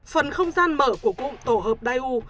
phần không gian mở của cụm tổ hợp dai u